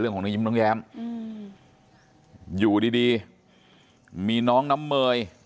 เรื่องของน้องยิบน้องแย้มอยู่ดีมีน้องน้ำเมย